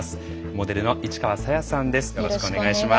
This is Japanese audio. モデルの市川紗椰さんです。